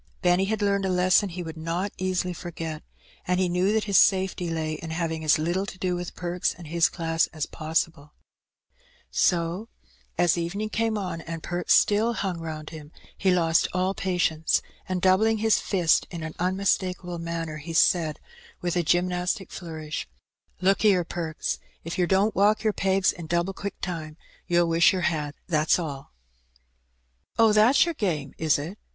Benny had learned a lesson he would not easily forget, and he knew that his safety lay in having as little to do with Perks and his class as possible. So as H 98 Her Benny. evening came on and Perks still hung round him^ he lost all patience^ and^ doubling his fist in an unmistakable manner^ he said, with a gymnastic flourish — '^Look ^ere. Perks, if yer don't walk yer pegs in double quick time, you'll wish yer had, that's alL" "Oh, that's yer game, is it?"